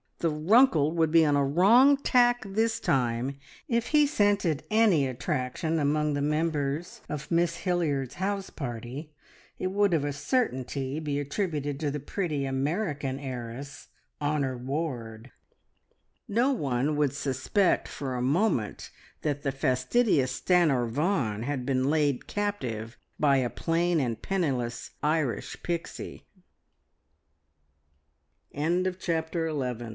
The Runkle would be on a wrong tack this time! If he scented any attraction among the members of Mrs Hilliard's house party, it would of a certainty be attributed to the pretty American heiress, Honor Ward. No one would suspect for a moment that the fastidious Stanor Vaughan had been laid captive by a plain and penniless Irish Pixie! CHAPTER TWELVE.